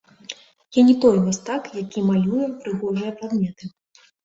Я не той мастак, які малюе прыгожыя прадметы.